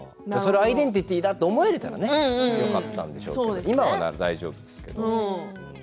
アイデンティティーだと思えたらよかったんでしょうけど今は大丈夫ですけれど。